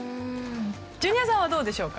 ジュニアさんはどうでしょうか？